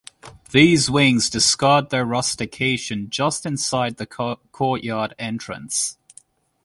These wings discard their rustication just inside the courtyard entrance.